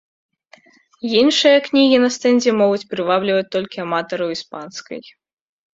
Іншыя кнігі на стэндзе могуць прывабліваць толькі аматараў іспанскай.